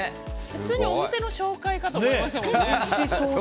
普通にお店の紹介かと思いましたもんね。